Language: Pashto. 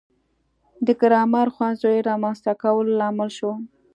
د ګرامر ښوونځیو رامنځته کولو لامل شو.